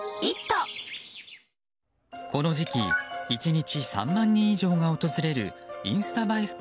この時期、１日３万人以上が訪れるインスタ映え